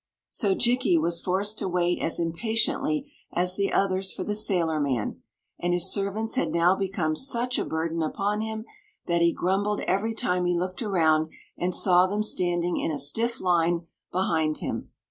So Jikki was forced to wait as impatiently as the others for the sailorman, and his servants had now become such a burden upon him that he grumbled every time he looked around and saw them standing in a stiff line behind him.